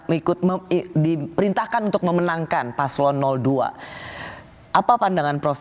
itu yang diikut dianggap ikut memilih diperintahkan untuk memenangkan paslon dua apa pandangan prof